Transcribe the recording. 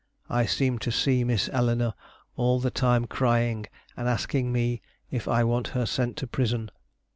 I seem to see Miss Elenor all the time crying and asking me if I want her sent to prisun.